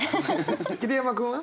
桐山君は？